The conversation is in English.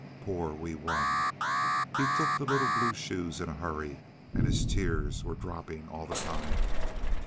Poor Wee Wun! He took the little blue shoes in a hurry, and his tears were dropping all the time.